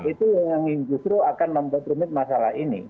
itu yang justru akan membuat rumit masalah ini